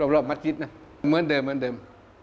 รอบมัดจิตน่ะเหมือนเดิม